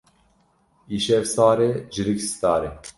Îşev sar e, cilik sitar e.